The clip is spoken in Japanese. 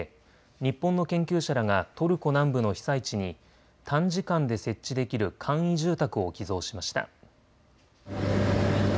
日本の研究者らがトルコ南部の被災地に短時間で設置できる簡易住宅を寄贈しました。